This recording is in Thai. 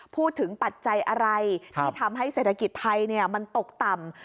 ปัจจัยอะไรที่ทำให้เศรษฐกิจไทยมันตกต่ำ